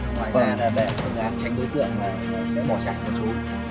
ngoài ra là đây phương án tránh đối tượng sẽ bỏ chạy một chút